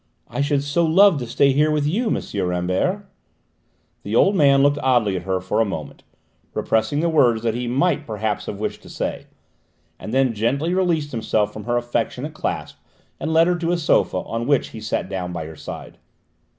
"I should so love to stay here with you, M. Rambert!" The old man looked oddly at her for a moment, repressing the words that he might perhaps have wished to say, and then gently released himself from her affectionate clasp and led her to a sofa, on which he sat down by her side.